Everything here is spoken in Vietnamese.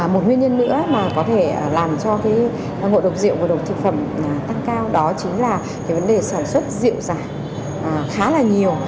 một nguyên nhân nữa mà có thể làm cho cái ngộ độc rượu ngộ độc thực phẩm tăng cao đó chính là cái vấn đề sản xuất rượu giả khá là nhiều